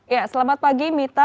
ya selamat pagi mita